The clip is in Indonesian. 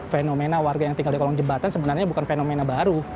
fenomena warga yang tinggal di kolong jembatan sebenarnya bukan fenomena baru